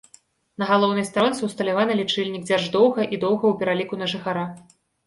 На галоўнай старонцы ўсталяваны лічыльнік дзярждоўга і доўга ў пераліку на жыхара.